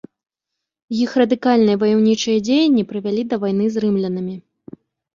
Іх радыкальныя ваяўнічыя дзеянні прывялі да вайны з рымлянамі.